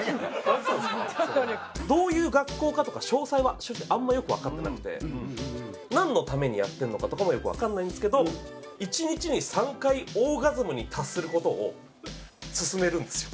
どういう学校かとか詳細はあんまよくわかってなくてなんのためにやってるのかとかもよくわからないんですけど１日に３回オーガズムに達する事を勧めるんですよ。